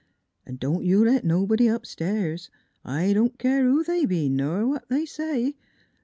An' don't you let nobody upstairs; I don't keer who they be, ner what they say.